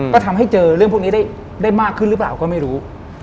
ก็ทำให้เจอเรื่องพวกนี้ได้มากขึ้นหรือเปล่าก็ไม่รู้